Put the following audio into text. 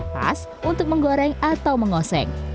pas untuk menggoreng atau mengoseng